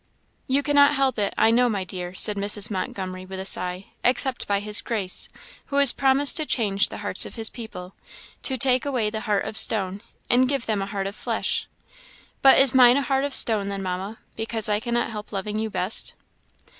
"You cannot help it, I know, my dear," said Mrs. Montgomery, with a sigh, "except by His grace, who has promised to change the hearts of his people to take away the heart of stone, and give them a heart of flesh." "But is mine a heart of stone, then, Mamma, because I cannot help loving you best?"